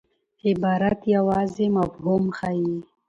عبارت یوازي مفهوم ښيي.